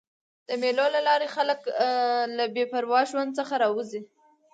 د مېلو له لاري خلک له بې پروا ژوند څخه راوځي.